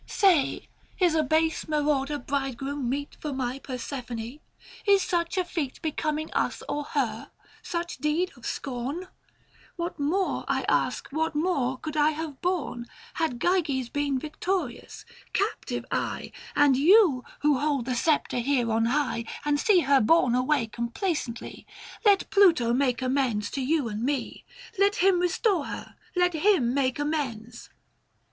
670 Say, is a base marauder bridegroom meet For my Persephone ? Is such a feat Becoming us or her — such deed of scorn ! What more, I ask, what more could I have borne Had Gyges been victorious — captive I ? 675 And you who hold the sceptre here on high, And see her borne away complacently — Let Pluto make amends to you and me, Let him restore her ; let him make amends."